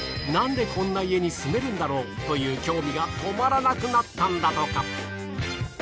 なんでこんな家に住めるんだろう？という興味が止まらなくなったんだとか。